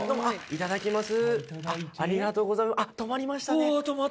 いただきます。